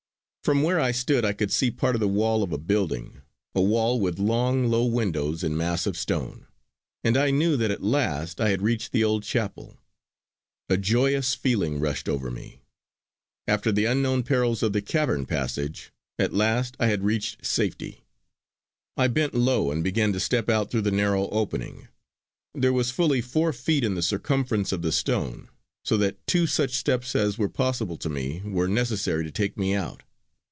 From where I stood I could see part of the wall of a building, a wall with long low windows in massive stone; and I knew that at last I had reached the old chapel. A joyous feeling rushed over me; after the unknown perils of the cavern passage at last I had reached safety. I bent low and began to step out through the narrow opening. There was fully four feet in the circumference of the stone so that two such steps as were possible to me were necessary to take me out.